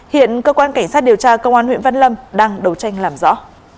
hiện cơ quan cảnh sát điều tra công an huyện văn lâm đang đấu tranh làm rõ